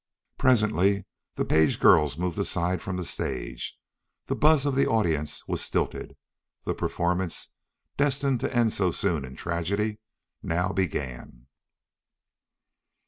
Presently the page girls moved aside from the stage. The buzz of the audience was stilted. The performance, destined to end so soon in tragedy, now began.